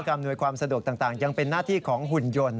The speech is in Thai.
อำนวยความสะดวกต่างยังเป็นหน้าที่ของหุ่นยนต์